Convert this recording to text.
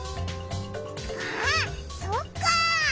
あっそっか！